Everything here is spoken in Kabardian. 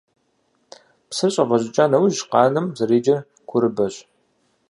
Псыр щIэвэщIыкIа нэужь къанэм зэреджэр курыбэщ.